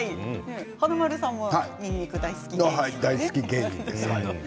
華丸さんはにんにく大好き芸人ですよね？